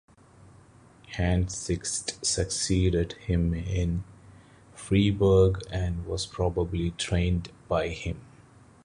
Hans Sixt succeeded him in Freiburg and was probably trained by him.